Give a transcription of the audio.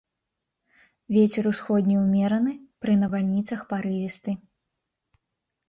Вецер усходні ўмераны, пры навальніцах парывісты.